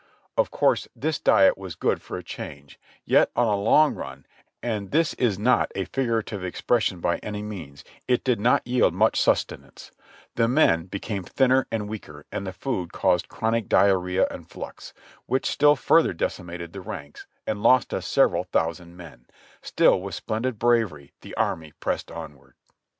Of course this diet was good for a change, yet on a long run, and this is not a figura tive expression by any means, it did not yield much sustenance ; the men became thinner and w^eaker and the food caused chronic diarrhea and flux, wdiich still further decimated the ranks and lost us several thousand men ; still w4th splendid bravery the army pressed onward.